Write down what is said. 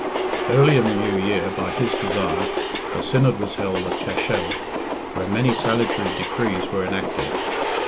Early in the new year, by his desire, a synod was held at Cashel, where many salutary decrees were enacted.